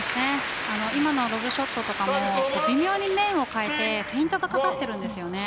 今のロブショットとかも微妙に面を変えてフェイントがかかっているんです。